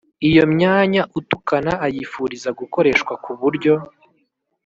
iyo myanya, utukana ayifuriza gukoreshwa ku buryo